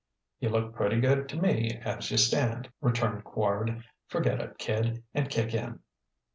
"You look pretty good to me as you stand," returned Quard. "Forget it, kid, and kick in."